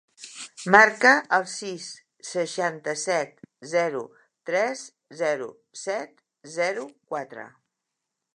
Marca el sis, seixanta-set, zero, tres, zero, set, zero, quatre.